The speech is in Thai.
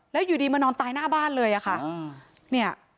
แล้วอยู่ดีมานอนตายหน้าบ้านเลยอะค่ะ